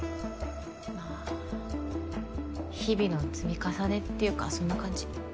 まあ日々の積み重ねっていうかそんな感じ。